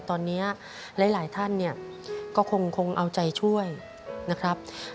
ตอนนี้หลายท่านเนี่ยก็คงเอาใจช่วยนะครับ